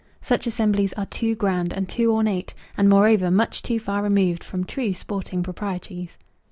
Such assemblies are too grand and too ornate, and, moreover, much too far removed from true sporting proprieties.